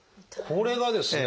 これがですね